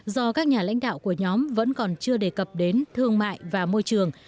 do các nhà lãnh đạo của nhóm vẫn còn chưa đề cập đến thương mại và môi trường